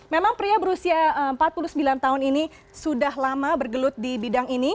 memang pria berusia empat puluh sembilan tahun ini sudah lama bergelut di bidang ini